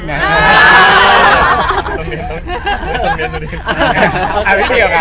อ้าวครอยเกียวค่ะ